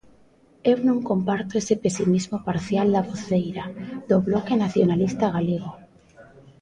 Eu non comparto ese pesimismo parcial da voceira do Bloque Nacionalista Galego.